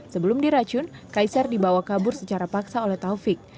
sebelum diracun kaisar dibawa kabur secara paksa oleh taufik